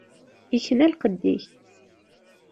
Ikna lqedd-ik.